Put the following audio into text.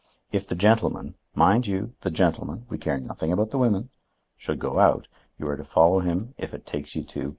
If the gentleman (mind you, the gentleman; we care nothing about the women) should go out, you are to follow him if it takes you to—.